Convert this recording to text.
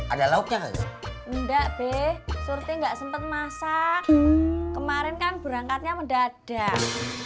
ada lokal enggak be suruh enggak sempet masak kemarin kan berangkatnya mendadak